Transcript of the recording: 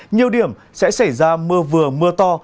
nhiều điểm sẽ xảy ra mưa vừa mưa to